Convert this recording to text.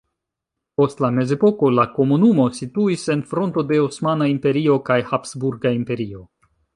Post la mezepoko la komunumo situis en fronto de Osmana Imperio kaj Habsburga Imperio.